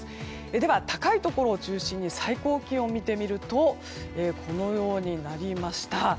では、高いところを中心に最高気温を見てみるとこのようになりました。